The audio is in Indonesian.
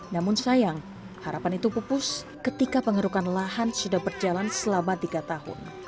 namun sayang harapan itu pupus ketika pengerukan lahan sudah berjalan selama tiga tahun